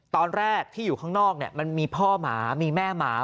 ตอนแรกที่อยู่ข้างนอกมันมีพ่อหมามีแม่หมา